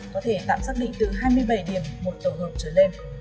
có thể tạm xác định từ hai mươi bảy điểm một tổ hợp trở lên